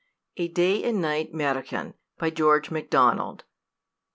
A Day and Night Mährchen. BY GEORGE MACDONALD.